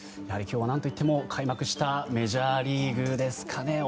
やはり今日は何と言っても開幕したメジャーリーグですかね。